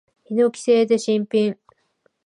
ヒノキ製で新品。